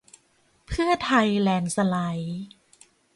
เพื่อไทยแลนด์สไลด์